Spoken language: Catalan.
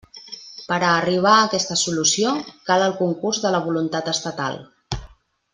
Per a arribar a aquesta solució, cal el concurs de la voluntat estatal.